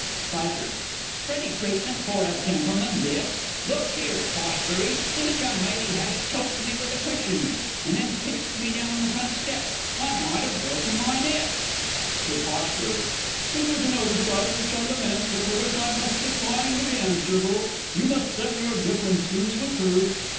_ Spiker. Pretty treatment for a gentleman, this! Look here, Poshbury, this young lady has choked me with a cushion, and then pitched me down the front steps I might have broken my neck. Sir P. It was an oversight which I lament, but for which I must decline to be answerable. You must settle your differences with her.